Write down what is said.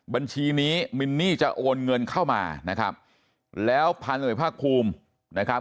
บัญชีนี้มินนี่จะโอนเงินเข้ามานะครับแล้วพันธุภาคภูมินะครับ